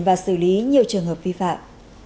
và xử lý nhiều trường hợp vi phạm